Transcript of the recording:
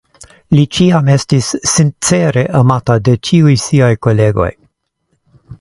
Li ĉiam estis sincere amata de ĉiuj siaj kolegoj.